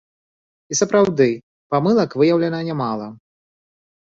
І сапраўды, памылак выяўлена нямала.